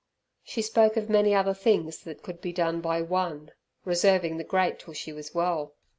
She spoke of many other things that could be done by one, reserving the great till she was well.